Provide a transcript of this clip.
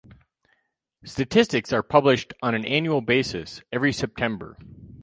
Statistics are published on an annual basis every September.